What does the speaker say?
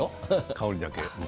香りだけ。